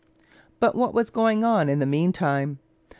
But what was going on in the meantime?